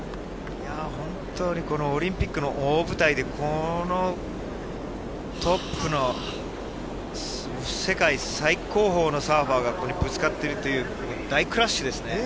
本当にオリンピックの大舞台でこのトップの世界最高峰のサーファーがここでぶつかっているという大クラッシュですね。